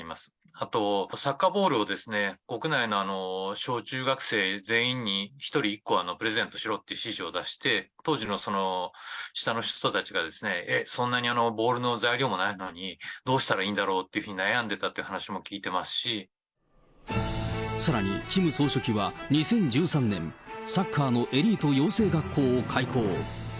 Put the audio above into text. あと、サッカーボールを国内の小中学生全員に、１人に１個プレゼントしろって指示を出して、当時の下の人たちが、えっ、そんなにボールの材料もないのに、どうしたらいいんだろうというふうに悩んでいたという話も聞いてさらに、キム総書記は２０１３年、サッカーのエリート養成学校を開校。